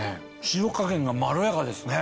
塩加減がまろやかですね。